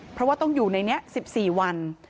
เพราะว่าต้องอยู่ในนี้๑๔วัน